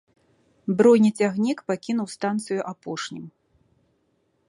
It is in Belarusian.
Бронецягнік пакінуў станцыю апошнім.